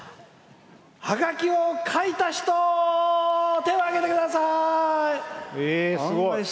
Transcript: ハガキを書いた人手を上げてください！